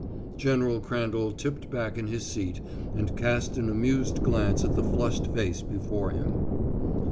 General Crandall tipped back in his seat and cast an amused glance at the flushed face before him.